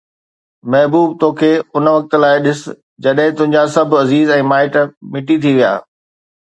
محبوب، تو کي ان وقت لاءِ ڏس، جڏهن تنهنجا سڀ عزيز ۽ مائٽ مٽي ٿي ويا.